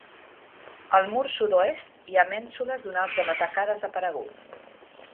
Al mur sud-oest hi ha mènsules d'un altre matacà desaparegut.